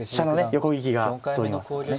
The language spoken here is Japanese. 横利きが通りますからね。